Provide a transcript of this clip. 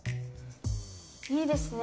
いいですね